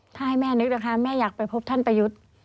ถ้าให้แม่นึกนะคะแม่อยากไปพบท่านประยุทธ์